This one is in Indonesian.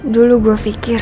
dulu gua fikir